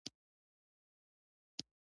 مول وهلي کس يې تر غوږ کش کړ.